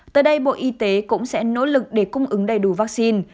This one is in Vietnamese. tới đây bộ y tế cũng sẽ nỗ lực để cung ứng đầy đủ vaccine